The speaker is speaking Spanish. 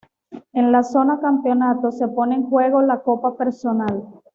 En la zona campeonato se pone en juego la Copa Personal.